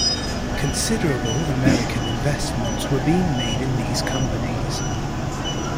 Considerable American investments were being made in these companies.